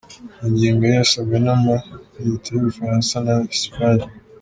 Iyo ngingo yari yasabwe n’amareta y’Ubufaransa na Espagne.